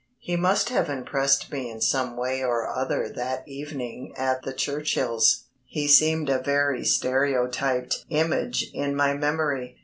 He must have impressed me in some way or other that evening at the Churchills. He seemed a very stereotyped image in my memory.